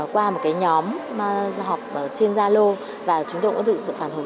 qua một cái nhóm học trên gia lô và chúng tôi cũng được sự phản hồi